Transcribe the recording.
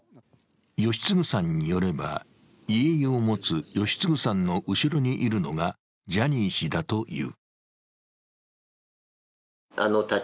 吉次さんによれば遺影を持つ吉次さんの後ろにいるのがジャニー氏だという。